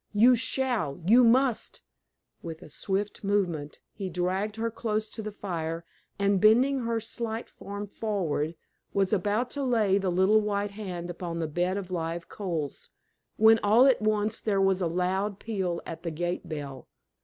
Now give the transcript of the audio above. You shall you must!" With a swift movement he dragged her close to the fire, and bending her slight form forward, was about to lay the little white hand upon the bed of live coals, when all at once there was a loud peal at the gate bell.